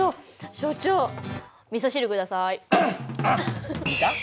所長みそ汁ください。いいか？